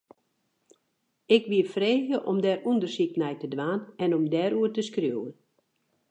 Ik wie frege om dêr ûndersyk nei te dwaan en om dêroer te skriuwen.